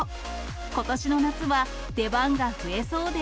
ことしの夏は、出番が増えそうで